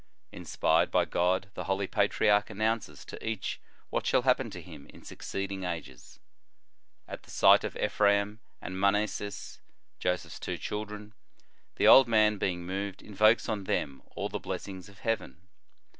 Inspired by God, the holy patriarch announces to each what shall happen to him in succeeding ages. At the sight of Ephraim and Ma nasses, Joseph s two children, the old man being moved, invokes on them all the bless ings of heaven.